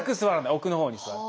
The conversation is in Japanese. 奥のほうに座る。